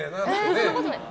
そんなことない。